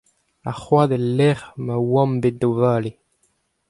Ar c'hoad el lec'h ma oamp bet o vale.